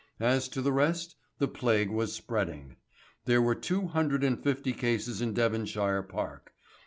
As to the rest, the plague was spreading. There were two hundred and fifty cases in Devonshire Park.